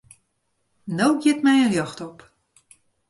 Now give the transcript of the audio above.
No giet my in ljocht op.